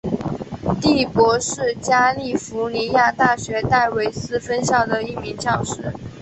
第伯是加利福尼亚大学戴维斯分校的一名教师。